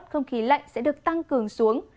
không khí lạnh sẽ được tăng cường xuống